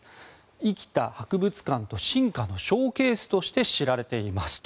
生きた博物館と進化のショーケースとして知られていますと。